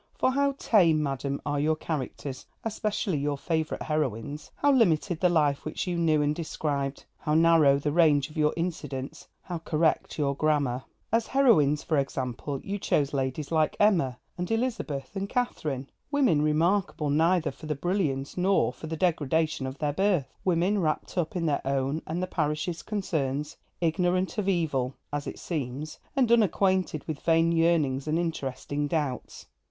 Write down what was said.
For how tame, madam, are your characters, especially your favourite heroines! how limited the life which you knew and described! how narrow the range of your incidents! how correct your grammar! As heroines, for example, you chose ladies like Emma, and Elizabeth, and Catherine: women remarkable neither for the brilliance nor for the degradation of their birth; women wrapped up in their own and the parish's concerns, ignorant of evil, as it seems, and unacquainted with vain yearnings and interesting doubts.